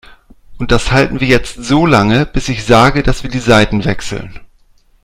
Und das halten wir jetzt so lange, bis ich sage, dass wir die Seiten wechseln.